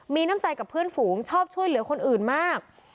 มีน้ำใจกับเพื่อนฝูงชอบช่วยเหลือคนอื่นมาก